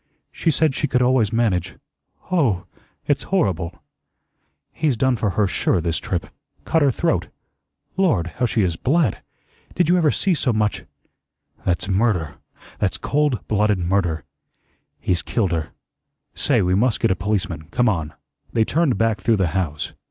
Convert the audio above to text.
"She said she could always manage Oh h! It's horrible." "He's done for her sure this trip. Cut her throat. LORD, how she has BLED! Did you ever see so much that's murder that's cold blooded murder. He's killed her. Say, we must get a policeman. Come on." They turned back through the house.